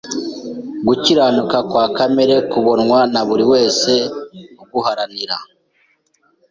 Gukiranuka kwa kamere kubonwa na buri wese uguharanira.